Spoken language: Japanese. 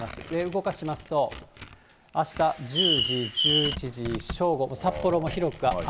動かしますと、あした１０時、１１時、正午、札幌も広く雨。